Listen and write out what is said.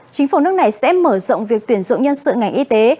chính phủ nước này sẽ mở rộng việc tuyển dụng nhân sự ngành y tế